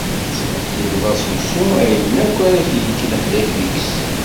Tettbeddileḍ-as usu, ayen akk ara yekk lehlak deg-s.